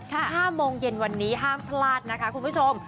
ค่ะ๕โมงเย็นนะครับคุณผู้ชม